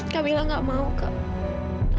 camilla tidak mau kak